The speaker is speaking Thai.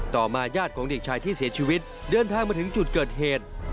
มาญาติของเด็กชายที่เสียชีวิตเดินทางมาถึงจุดเกิดเหตุ